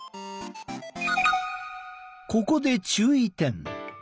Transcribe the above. ここで注意点！